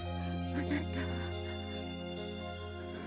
あなたは。